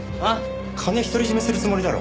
金独り占めするつもりだろ。